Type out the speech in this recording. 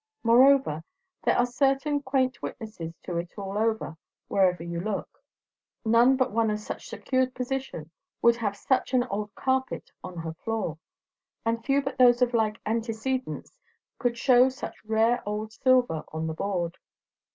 Moreover, there are certain quain't witnesses to it all over, wherever you look. None but one of such secured position would have such an old carpet on her floor; and few but those of like antecedents could show such rare old silver on the board.